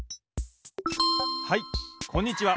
はいこんにちは！